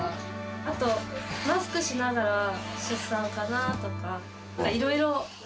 あと、マスクしながら出産かなとか。